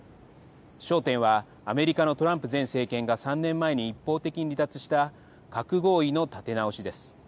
焦点はアメリカのトランプ前政権が３年前に一方的に離脱した核合意の立て直しです。